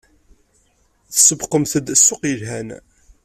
Tsewwqemt-d ssuq yelhan.